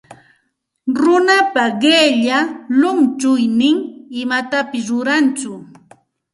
Runapa qilla llunchuynin imatapis rurantsu.